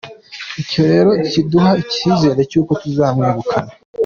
Icyo rero kiduha icyizere cy’uko tuzamwegukana”.